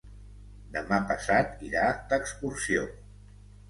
Demà passat irà d'excursió.